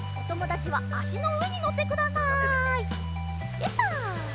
よいしょ。